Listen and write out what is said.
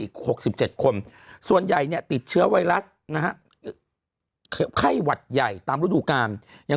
อีก๖๗คนส่วนใหญ่เนี่ยติดเชื้อไวรัสนะฮะไข้หวัดใหญ่ตามฤดูกาลยัง